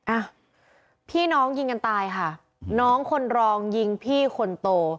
อ่ะพี่น้องยิงกันตายค่ะน้องคนรองยิงพี่คนโต